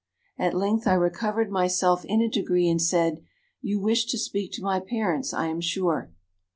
"At length I recovered myself in a degree, and said, 'You wish to speak to my parents, I am sure.'